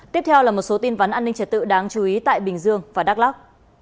tuyên vấn an ninh trật tự đáng chú ý tại bình dương và đắk lắk